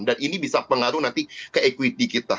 dan ini bisa pengaruh nanti ke equity kita